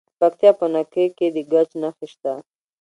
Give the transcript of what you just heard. د پکتیکا په نکې کې د ګچ نښې شته.